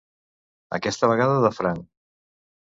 Aquesta vegada de franc.